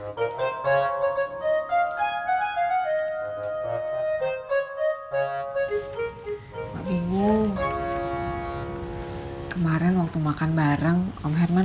pak bingung kemarin waktu makan bareng om herman